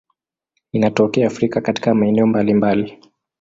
Inatokea Afrika katika maeneo mbalimbali.